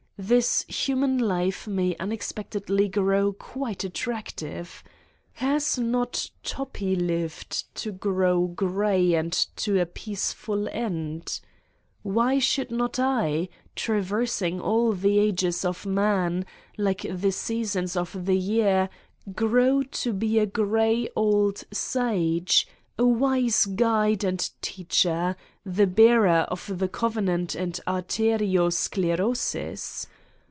this human life may unex pectedly grow quite attractive! Has not Toppi lived to grow gray and to a peaceful end? Why 135 Satan's Diary should not I, traversing all the ages of man, like the seasons of the year, grow to be a gray old sage, a wise guide and teacher, the bearer of the covenant and arterio sclerosis'?